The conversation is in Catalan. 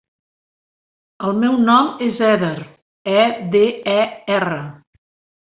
El meu nom és Eder: e, de, e, erra.